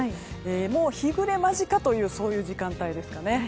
もう日暮れ間近という時間帯ですかね。